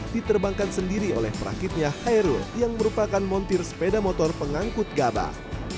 diterbangkan sendiri oleh perakitnya hairul yang merupakan montir sepeda motor pengangkut gabah